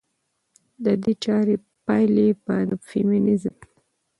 د دې چارې پايلې به د فيمينزم